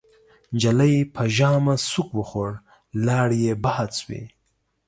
نجلۍ پر ژامه سوک وخوړ، لاړې يې باد شوې.